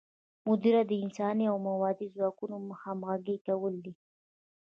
مدیریت د انساني او مادي ځواکونو همغږي کول دي.